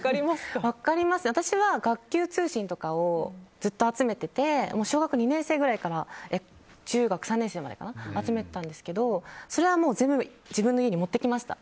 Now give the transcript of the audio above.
私は学級通信とかをずっと集めてて小学２年生くらいから中学３年生まで集めてたんですけどそれは自分の家に持ってきました。